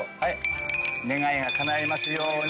願いがかないますように。